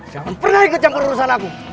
jangan pernah ikut campur urusan aku